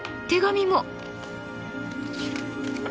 手紙も。